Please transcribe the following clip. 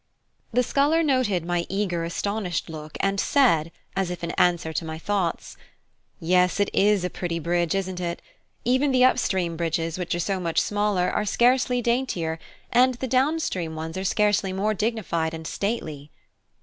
The sculler noted my eager astonished look, and said, as if in answer to my thoughts "Yes, it is a pretty bridge, isn't it? Even the up stream bridges, which are so much smaller, are scarcely daintier, and the down stream ones are scarcely more dignified and stately."